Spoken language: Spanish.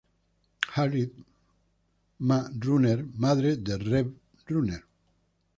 Harriet "Ma" Runner Madre de Rev Runner.